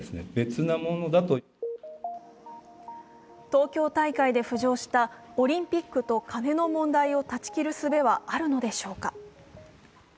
東京大会で浮上したオリンピックとカネの問題を断ち切るすべはあるのでしょうか。